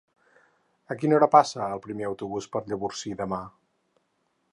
A quina hora passa el primer autobús per Llavorsí demà?